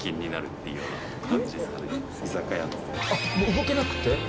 動けなくて？